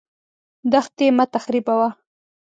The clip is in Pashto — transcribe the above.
دښتې مه تخریبوه.